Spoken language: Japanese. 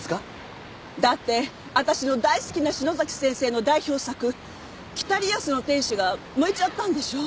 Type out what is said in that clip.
だって私の大好きな篠崎先生の代表作『北リアスの天使』が燃えちゃったんでしょう？